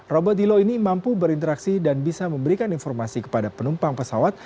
robot dilo ini mampu berinteraksi dan bisa memberikan informasi kepada penumpang pesawat